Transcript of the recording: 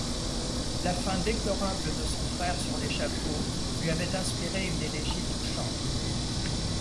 La fin déplorable de son frère sur l’échafaud lui avait inspiré une élégie touchante.